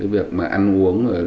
việc ăn uống